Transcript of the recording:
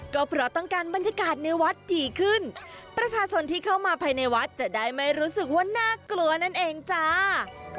ก็เพราะต้องการบรรยากาศในวัดดีขึ้นประชาชนที่เข้ามาภายในวัดจะได้ไม่รู้สึกว่าน่ากลัวนั่นเองจ้า